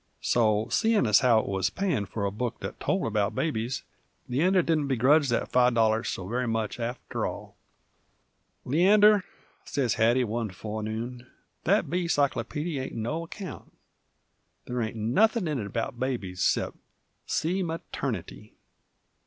So, seein' as how it wuz payin' f'r a book that told about babies, Leander didn't begredge that five dollars so very much after all. "Leander," sez Hattie one forenoon, "that B cyclopeedy ain't no account. There ain't nothin' in it about babies except 'See Maternity'!"